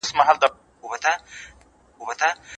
کمیت مهم نه دی.